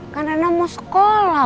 kan rana mau sekolah